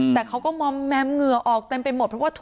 แต่เขาก็มอมแมมเหงื่อออกเต็มไปหมด